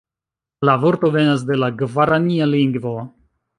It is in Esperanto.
La vorto venas de la gvarania lingvo.